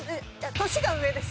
年が上です。